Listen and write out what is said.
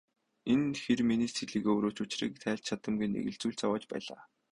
Энэ хэр миний сэтгэлийг өөрөө ч учрыг тайлж чадамгүй нэг л зүйл зовоож байлаа.